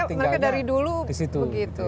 tinggalnya di situ